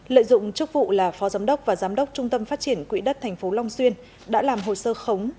lợi dụng chức vụ là phó giám đốc và giám đốc trung tâm phát triển quỹ đất tp long xuyên đã làm hồ sơ khống